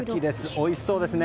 おいしそうですね。